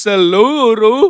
terbaik di seluruh